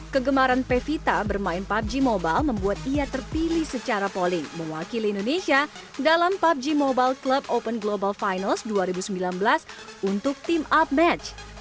kegemaran pevita bermain pubg mobile membuat ia terpilih secara polling mewakili indonesia dalam pubg mobile club open global finals dua ribu sembilan belas untuk team up match